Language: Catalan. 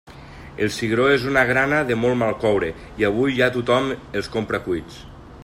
El cigró és una grana de molt mal coure i avui ja tothom els compra cuits.